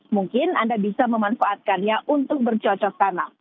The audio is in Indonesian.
mungkin anda bisa memanfaatkannya untuk bercocok tanam